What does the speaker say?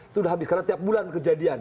itu sudah habis karena tiap bulan kejadian